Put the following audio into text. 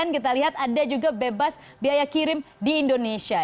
kita lihat ada juga bebas biaya kirim di indonesia